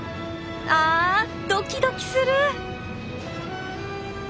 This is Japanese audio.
あドキドキする！